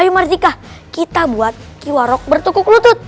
ayo marjika kita buat kiwarok bertukuk lutut